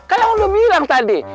kalau gua udah bilang tadi